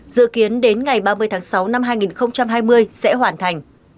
dự kiến đến ngày ba mươi tháng sáu năm hai nghìn hai mươi sẽ hoàn thành